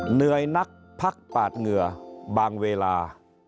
เหนื่อยนักพักปาดเหงื่อบางเวลา